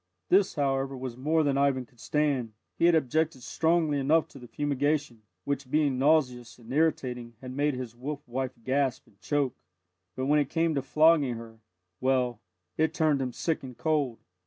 This, however, was more than Ivan could stand he had objected strongly enough to the fumigation, which, being nauseous and irritating, had made his wolf wife gasp and choke; but when it came to flogging her well, it turned him sick and cold.